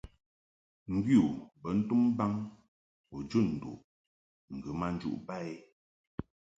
Ŋgwi u bə ntum baŋ u jun nduʼ ŋgə ma njuʼ ba i.